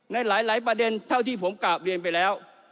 ในหลายประเด็นเท่าที่ผมกลับเรียนไปแล้ว